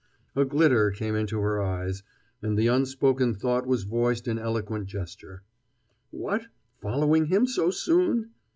A glitter came into her eyes, and the unspoken thought was voiced in eloquent gesture: "What, following him so soon?"